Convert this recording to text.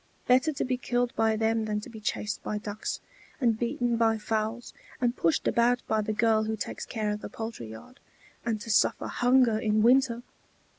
Better to be killed by them than to be chased by ducks, and beaten by fowls, and pushed about by the girl who takes care of the poultry yard, and to suffer hunger in winter!"